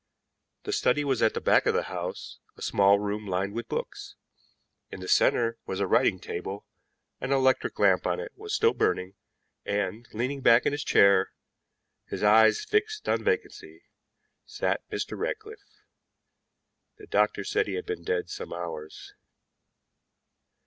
The study was at the back of the house, a small room lined with books. In the center was a writing table, an electric lamp on it was still burning, and, leaning back in his chair, his eyes fixed on vacancy, sat Mr. Ratcliffe. The doctor said he had been dead some hours.